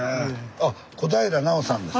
あっ小平奈緒さんです。